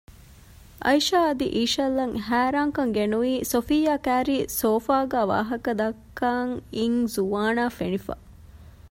އައިޝާ އަދި އީޝަލްއަށް ހައިރާންކަން ގެނުވީ ސޮފިއްޔާ ކައިރީ ސޯފާގައި ވާހަކަދައްކަން އިން ޒުވާނާ ފެނިފަ